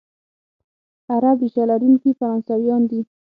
عرب ریشه لرونکي فرانسویان دي،